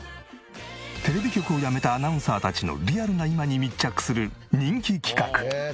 テレビ局を辞めたアナウンサーたちのリアルな今に密着する人気企画。